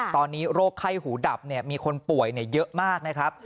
ตอนนี้โรคไข้หูดับมีคนป่วยเยอะมากนะครับ